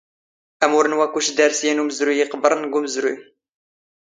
ⴰⵎⵓⵔⵏⵡⴰⴽⵓⵛ ⴷⴰⵔⵙ ⵢⴰⵏ ⵓⵎⵣⵔⵓⵢ ⵉⵇⴱⵔⵏ ⴳ ⵓⵎⵣⵔⵓⵢ.